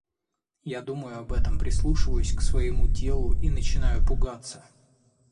Я думаю об этом, прислушиваюсь к своему телу и начинаю пугаться.